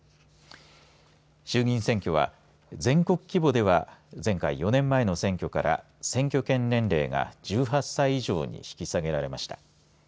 衆議院選挙は全国規模では前回４年前の選挙から選挙権年齢が１８歳以上に引き下げられました。